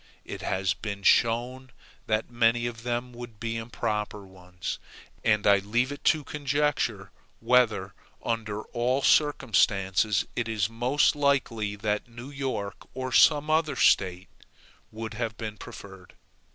It has been shown that many of them would be improper ones. And I leave it to conjecture, whether, under all circumstances, it is most likely that New York, or some other State, would have been preferred.